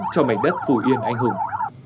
cho mảnh đất phù yên anh hùng